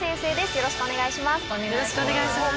よろしくお願いします。